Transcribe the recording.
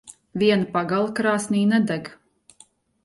Viena pagale krāsnī nedeg.